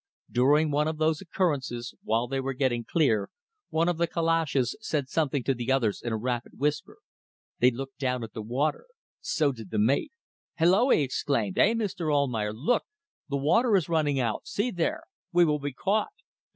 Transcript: During one of those occurrences, while they were getting clear, one of the calashes said something to the others in a rapid whisper. They looked down at the water. So did the mate. "Hallo!" he exclaimed. "Eh, Mr. Almayer! Look! The water is running out. See there! We will be caught."